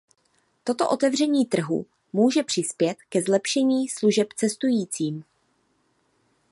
Toto otevření trhu může přispět ke zlepšení služeb cestujícím.